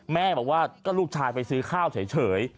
แม่บอกว่าก็ลูกชายไปซื้อข้าวเฉย